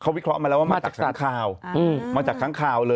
เขาวิเคราะห์มาแล้วว่ามาจากค้างคาว